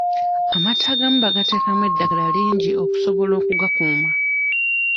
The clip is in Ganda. Amata agamu bagateekamu eddagala lingi okusobola okugakuuma.